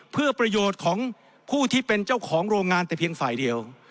เพื่อประโยชน์ของผู้ที่เป็นเจ้าของโรงงานแต่เพียงฝ่ายเดียว